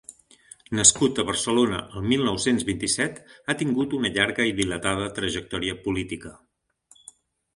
Nascut a Barcelona el mil nou-cents vint-i-set, ha tingut una llarga i dilatada trajectòria política.